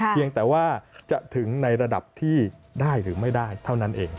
เพียงแต่ว่าจะถึงในระดับที่ได้หรือไม่ได้เท่านั้นเอง